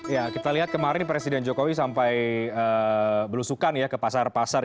ya kita lihat kemarin presiden jokowi sampai belusukan ya ke pasar pasar